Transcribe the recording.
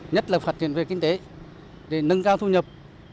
nhất là phát triển về kinh tế để nâng cao thu nhập